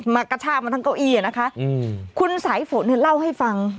กระชากมาทั้งเก้าอี้อ่ะนะคะอืมคุณสายฝนเนี่ยเล่าให้ฟัง